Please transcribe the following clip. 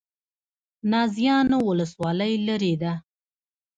نازیانو ولسوالۍ لیرې ده؟